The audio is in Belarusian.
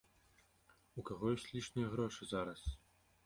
У каго ёсць лішнія грошы зараз?